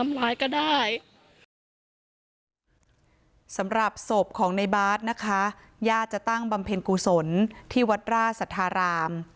สำหรับศพของในบาทนะคะญาติจะตั้งบำเพ็ญกุศลที่วัดราชสัทธาราม